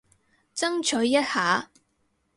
爭取一下